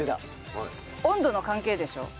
温度の関係でしょう？